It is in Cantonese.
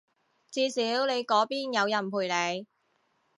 至少你嗰邊有人陪你